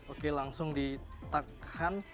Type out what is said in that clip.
oke langsung ditahan